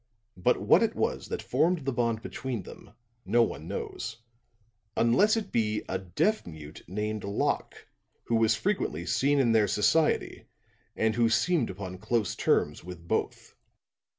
But what it was that formed the bond between them, no one knows, unless it be a deaf mute named Locke, who was frequently seen in their society and who seemed upon close terms with both.